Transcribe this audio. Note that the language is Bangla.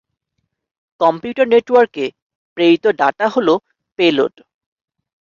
কম্পিউটার নেটওয়ার্কে, প্রেরিত ডেটা হলো পেলোড।